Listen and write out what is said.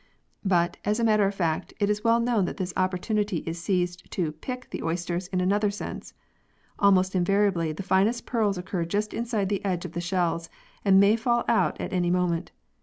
But, as a matter of fact, it is well known that this opportunity is seized to " pick " the oysters in another sense. Almost invariably the finest pearls occur just inside the edge of the shells, and may fall out at any moment.